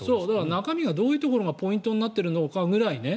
中身がどういうところがポイントになってるぐらいね